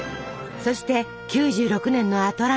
そして９６年のアトランタ。